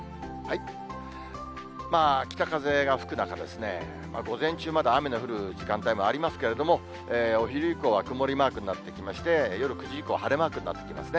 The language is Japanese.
北風が吹く中、午前中、まだ雨の降る時間帯もありますけれども、お昼以降は曇りマークになってきまして、夜９時以降、晴れマークになってきていますね。